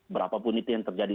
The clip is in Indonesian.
berapapun itu yang terjadi